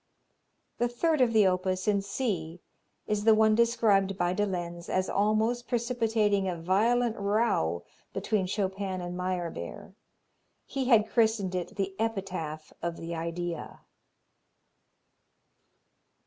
The third of the opus, in C, is the one described by de Lenz as almost precipitating a violent row between Chopin and Meyerbeer. He had christened it the Epitaph of the Idea.